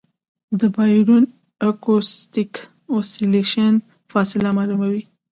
د باریون اکوسټک اوسیلیشن فاصله معلوموي.